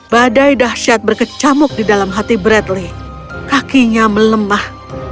badai dahsyat berkecamuk di dalam hati bradley kakinya melemah